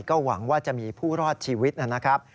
ก็หวังว่าจะมีผู้รอดชีวิตนะครับ